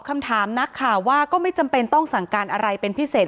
คำถามนักข่าวว่าก็ไม่จำเป็นต้องสั่งการอะไรเป็นพิเศษ